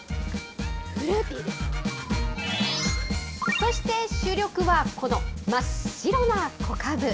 そして主力はこの真っ白な小かぶ。